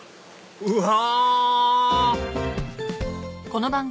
うわ！